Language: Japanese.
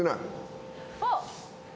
あっ。